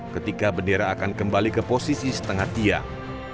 ketika bendera akan kembali ke posisi setengah tiang